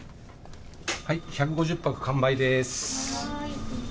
１５０泊完売です。